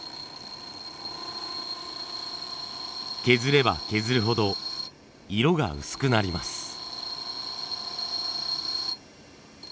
削れば削るほど色が薄くなります。